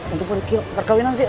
untuk perkiu perkahwinan sih